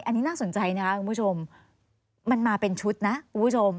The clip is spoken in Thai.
อันนี้น่าสนใจนะคะคุณผู้ชมมันมาเป็นชุดนะคุณผู้ชม